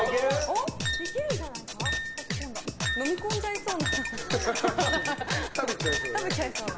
飲み込んじゃいそう。